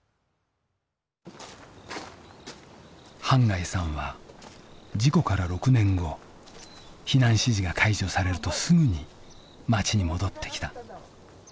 半谷さんは事故から６年後避難指示が解除されるとすぐに町に戻ってきた。